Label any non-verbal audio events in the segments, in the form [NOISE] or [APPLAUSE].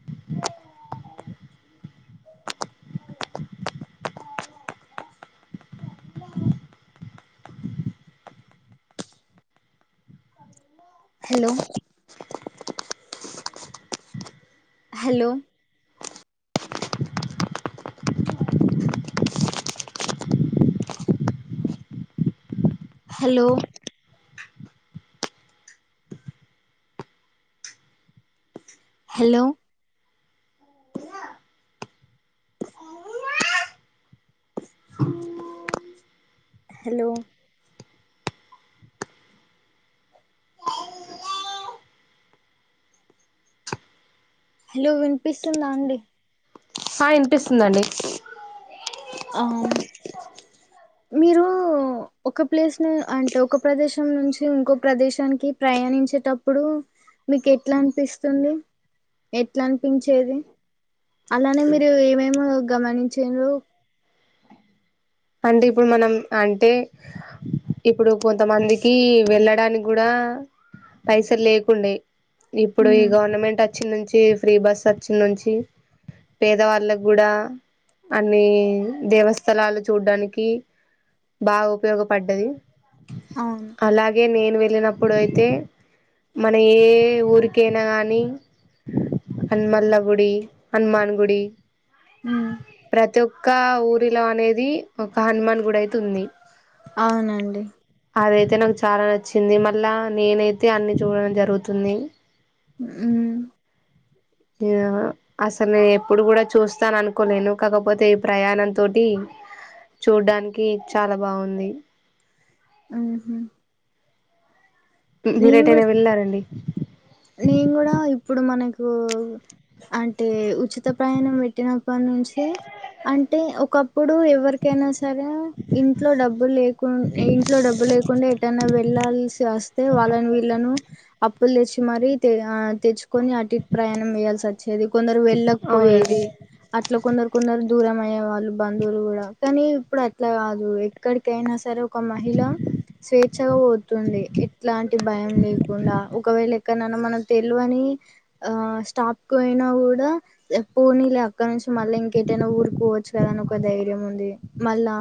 [INAUDIBLE] [INAUDIBLE] Hello hello hello hello [INAUDIBLE] hello hello వినిపిస్తుందా అండి ఆ వినిపిస్తుందిండి ఆ మీరు ఒక ప్లేస్ ను అంటే ఒక ప్రదేశం నుంచి ఇంకోొ ప్రదేశానికి ప్రయాణించ చ్చేటప్పుడు మీకు ఎట్లా అనిపిస్తుంది ఎట్లా అనిపించేది అలానే మీరు ఏమేమ గమనించారు అంటే ఇప్పుడు మనం అంటే ఇప్పుడు కొంతమందికి వెళ్ళడానికి కూడా పైసలు లేకుండే ఇప్పుడు ఈ ఉమ్ గవర్నమెంట్ వచ్చినంచి ఫ్రీ బస్ సతిన్ నుంచి పేదవాళ్ళకి కూడా అన్ని దేవస్థలాలు చూడ్డానికి బాగా ఉపయోగపడ్డది అవును అలాగే నేను వెళ్ళినప్పుడు అయితే మన ఏ ఊరికైనా నీ అనుమల్ల గుడి హనుమాన్ గుడి హ ప్రతి ఒక్క ఊరిలో అనేది ఒక హనుమాన్ గు అయితే ఉంది అవునండి అయితే నాకు చాలా నచ్చింది మళ్ళా నేనైతే అన్ని చూడడం జరుగుతుంది [INAUDIBLE] అసలు నేను ఎప్పుడు కూడా చూస్తాను అనుకోలేను కాకపోతే ఈ ప్రయాణం తోటి చూడ్డానికి చాలా బాగుంది ఆహా మీరేటైనా వెళ్ళారండి నేను కూడా ఇప్పుడు మనకు అంటే ఉచిత ప్రయాణం పెట్టినప్పటి నుంచి అంటే ఒకప్పుడు ఎవరికైనా సరే ఇంట్లో డబ్బు లేకు ఇంట్లో డబ్బు లేకుండా ఎటన్నా వెల్సి వస్తే వాళ్ళని వళ్ అప్పు తెచ్చ మర ఆ తెచ్చుకొని అటు ప్రయాణం వేయాల్సి వచ్చేది కొందరు అవునండి వెళ్ళకపోయేది అట్లా కొందరు కొందరు దూరం అ వాళ్ళు బంధువులు కూడా కానీ ఇప్పుడు అట్లా కాదు ఎక్కడికైనా సరే ఒక మహిళ స్వేచ్ఛగా పోతుంది ఎట్లాంటి భయం లేకుండా ఒకవేళ క్కనన్న మనక్ దెల్వని ఆ స్టాప్కు పోయినా గూడ పోనీ లే అక్కడ్నుంచి మళ్ళ ఇంకేటైనా ఊరుక్పోవచ్చు గదా అని ఒక ధైర్యం ఉంది మళ్ళా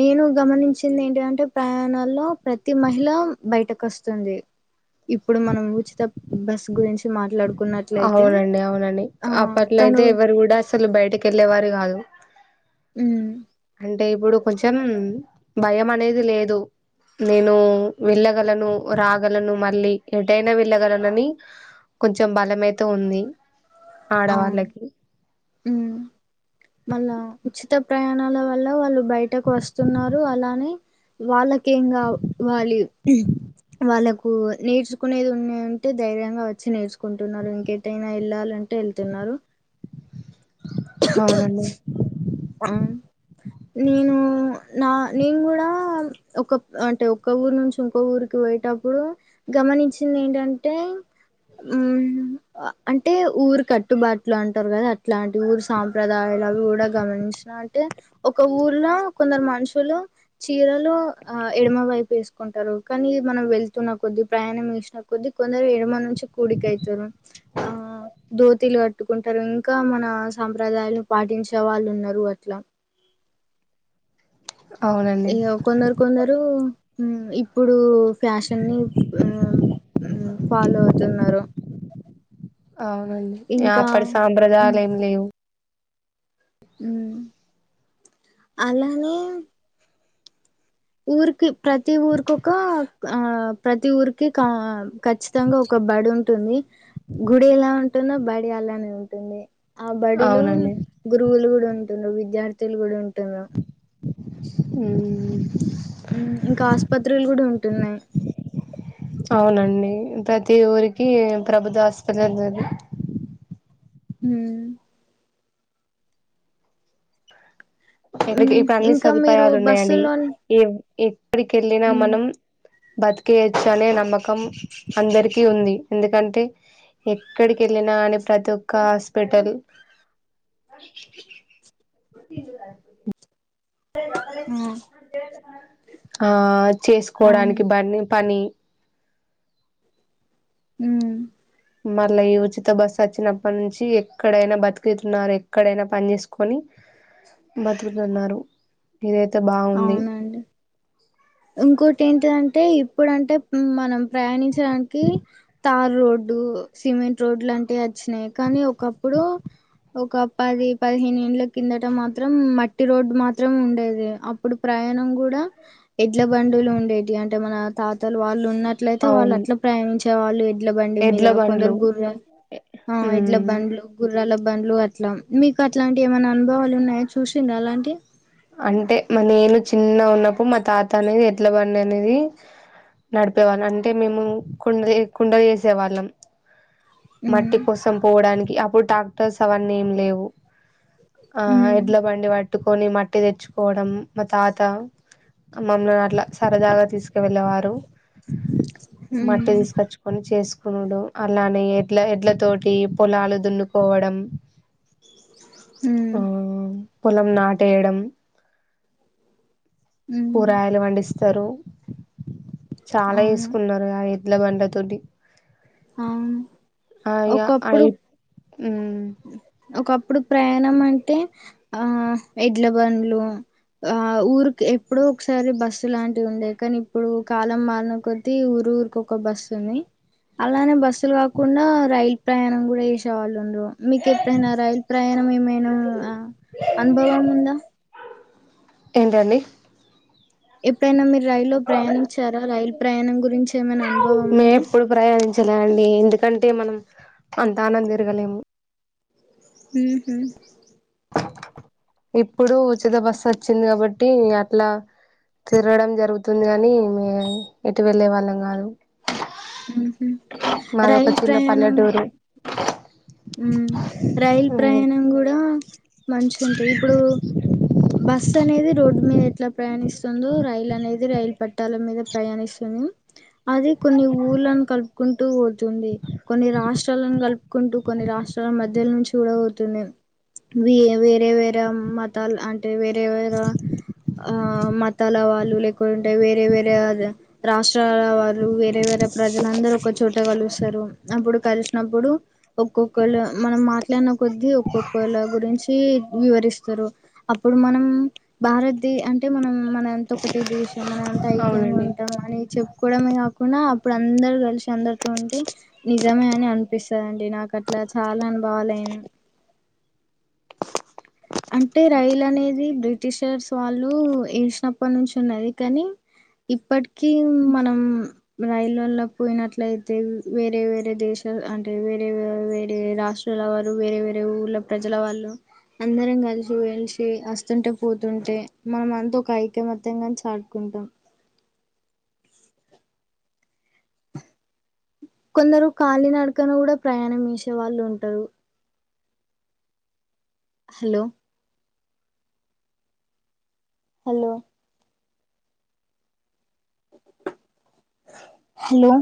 నేను గమనించింది ఏంటిధంటే ప్రయాణాల్లో ప్రతి మహిళ బయటకొస్తుంది ఇప్పుడు మనం ఉచిత బస్ గురించి మాట్లాడుకు అవునండి అవునండి అప్పట్లో తను అయితే ఎవ్వరు గూడ అసలు బయటకెళ్ళేవారు గాదు ఉమ్ అంటే ఇప్పుడు కొంచెం భయమనేది లేదు నేనూ వెళ్ళగలను, రాగలను మళ్ళీ ఎటైనా వెళ్ళగలనని కొంచెం బలమైతే ఉంది అవును ఆడవాళ్ళకి ఉమ్ మళ్ళా ఉచిత ప్రయాణాల వల్ల వాళ్ళు బయటకు వస్తున్నారు అలానే వాళ్ళకేంగావ్ వాల్లి వాళ్ళకు నేర్చుకునేది ఉండేదుంటే ధైర్యంగా వచ్చి నేర్చుకుంటున్నరు ఇంకెటైనా ఎళ్ళాలన్ అంటే ఎళ్తున్నరు అవునండి ఆ నేనూ నా నేన్గుడా ఒకప్ అంటే ఒక్క ఊరు నుంచి ఇంకో ఊరుకి పోయేటప్పుడు గమనించింది ఏంటిదన్టే ఉమ్ ఆ అంటే ఊరు కట్టుబాట్లు అంటరు కదా అట్లాంటి ఊరు సాంప్రదాయ లవి గూడ గమనించిన అంటే ఒక ఊర్లో కొందరు మనుషులు చీరలు ఆ ఎడమ వై వైపేసుకుంటరు కనీ మనం వెళ్తున్న కొద్దీ ప్రయాణం చేసిన కొద్ది కొందరు ఏడమ నుం చి కుడికయితరు ఆ ధో తిలు గట్టుకుంటరు ఇంకా మన సాంప్రదాయలు పాటించ్ చే వాళున్నరు అట్లా అవునండి ఇగ కొందరు కొందరు ఇప్పుడు ఫ్యాషన్ని ఉమ్ ఉమ్ ఫాలో అవుతున్నరు అవునండి ఇగప్పటి సాంప్రదాయాలు ఏం లేవు. ఉమ్ అలానే ఊరికి ప్రతి ఊరికోక ఆ ప్రతి ఊరికి క ఖచ్చితంగ ఒక బాడుంటుంది గుడి ఎలా ఉంటుందో బడి అలానే ఉంటుంది. ఆ బడిలో అవునండి గురువులు గుడుంటున్రు విద్యార్థులు గుడ ఉం ఉమ్ ఉమ్ ఉమ్ ఇంక ఆస్పత్రులు గుడా ఉంటున్నయి అవునండి ప్రతి ఊరికి ప్రభుత్వ ఆస్పత్రి ఉంటుంది ఉమ్ కైతే ఉమ్ ఇప్పుడన్ని ఇంకా మీరు సదుపాయాలు ఉన్నయండి, బస్సులో ఏ ఎప్పడికెళ్ళినా ఉమ్ మనం బతికేయచ్చు అనే నమ్మకం అందరికి ఉంది, ఎందుకంటే ఎక్కడికెళ్ళినా కాని ప్రతి ఒక్క హాస్పటల్ అ ఆ ఆద్ అవును చేసుకోవడానికి బన్ పని ఉమ్ మళ్ళ ఈ ఉచిత బస్సు అచ్చినప్పటి నుంచి ఎక్కడైనా బతికితున్నారు ఎక్కడైనా పని జేసుకొని బతుకుతున్నారు ఇదయితే బావుంది. అవునండి ఇంకోటి ఏంటిధంటే ఇప్పుడంటే మనం ప్రయాణించడానికి తారు రోడ్డు డు సిమెంట్ రోడ్లాంటియి వచ్చినయి కనీ ఒకప్పుడు ఒక పది, పదిహేనేండ్లకు కిందట మాత్రం మట్టి రోడ్డు మాత్రం ఉండేది అప్పుడు ప్రయాణం కూడా ఎడ్ల బండులు ఉండేవి అంటే మన తాతలు వాళ్ళు ఉన్నట్లయితే వాళ్ళు అవును అట్లా ప్రయానించే వాళ్ళు ఎడ్ల బండి మీద ఎడ్ల కొందరు బండ్లు గుర్రా ఇట్ల ఉమ్ బండ్లు గుర్రాల ఇబ్బందులు అట్లా మీకు అట్లాంటివి ఏమైనా అనుభవాలు ఉన్నాయాచూసిండ అలాంటి అంటే మా నేను చిన్న ఉన్నప్పుడు మా తాత అనేది ఎట్ల బండి అనేది నడిపేవాళ్ళం అంటే మేము కుండ కుండ చేసే వాళ్ళం ఉమ్ మట్టి కోసం పోవడానికి అప్పుడు ట్రాక్టర్స్ అవన్నీ ఏం లేవు ఆ ఉమ్ ఎడ్ల బండి పట్టుకొని మట్టి తెచ్చుకోవడం మా తాత మమ్మల్ని అట్లా సరదాగా తీసుకు వెళ్ళేవారు ఉమ్ మట్టి తీసుకచ్చుకొని చేసుకున్నాడు అలా అనే ఎట్లా ఎడ్ల తోటి పొలాలు దున్నుకోవడం ఉమ్ ఆ పొలం నాటేయడం ఉమ్ కూరగాయలు పండిస్తారు చాలా అవును వేసుకున్నారు ఆ ఎడ్ల బండ తోటి అవును ఆయన ఒకప్పుడు అయి ఇప్పుడు ప్రయాణం అంటే ఆ ఎడ్ల బండ్లు ఆ ఊరికి ఎప్పుడో ఒకసారి బస్సు లాంటివి ఉండే కానీ ఇప్పుడు కాలం మారిన కొద్దీ ఊరు ఊరుకి ఒక బస్సు ఉంది అలానే బస్సులు కాకుండా రైల్ ప్రయాణం కూడా చేసేవాళ్ళు ఉంటారు మీకు ఎప్పుడైనా రైలు ప్రయాణం ఏమైనా అనుభవం ఉందా ఏంటండి ఎప్పుడైనా మీరు రైలుల్లో ప్రయాణించారా రైలు ప్రయాణం గురించి ఏమైనా అనుభవం మేము ఉందా ఎప్పుడు ప్రయాణించలే అండి ఇందు ఎందుకంటే మనం అంత ఆనంద తిరగలేము ఉహూ ఇప్పుడు ఉచిత బస్సు వచ్చింది కాబట్టి అట్లా తిరగడం జరుగుతుంది కాని ఎటు వెళ్ళే వాళ్ళం కాదు ఉహూ మాదొక రైల్ చిన్న ప్రయాణం పల్లెటూరు ఉ రైల్ ప్రయాణం కూడా మంచి ఉంటది ఇప్పుడు బస్ అనేది రోడ్డు మీద ఎట్లా ప్రయాణిస్తుందో రైల్ అనేది రైలు పట్టాల మీద ప్రయాణిస్తుంది అది కొన్ని ఊర్లను కలుపుకుంటూ పోతుంది కొన్ని రాష్ట్రాలను కలుపుకుంటూ కొన్ని రాష్ట్రాల మధ్య నుంచి కూడా అవుతుంది వ వేరే వేరే మతాలు అంటే వేరేే వేరే ఆ మతాల వాళ్ళు లేకుంటే వేరే వేరే రాష్ట్రాల వాళ్ళు వేరే వేరే వేరే ప్రజలందరూ ఒక చోట కలుస్తారు అప్పుడు కలిసినప్పుడు ఒక్కొక్కళ్ళ మనం మాట్లాడిన కొద్ద్దీ ఒక్కొక్కళ్ళ గురించి వివరిస్తారు అప్పుడు మనం భారత్ అంటే మనం మనంత ఒకటే దేశం మన ధైక్యంగా అవునండి ఉంటాం అని కులమే కాకుండా అప్పుడు అందరూ కలిసి అందరితో ఉంటే నిజమే అని అనిపిస్తుంది నాకు అట్లా చాలా అనుభవాలయినా అంటే రైలు అనేది బ్రిటిషర్స్ వాళ్ళు ఏసినప్పటి నుంచి ఉన్నది కానీ ఇప్పటికి మనం రైలుల్ల పోయినట్లయితే వేరే వేరే దేశం అంటే వేరేే వేరే రాష్ట్రాల వారు వేరే వేరే ఊళ్ళ ప్రజల వాళ్ళు అందరం కలిసి వెలిసి వస్తుంటే పోతుంటే మనం అంతా ఒక ఐక్యమత్యంగాని చాటుకుంటాం అ కొందరు కళీినడకను కూడా ప్రయాణం వేసే వాళ్ళు ఉంటారు హలో హలో హలో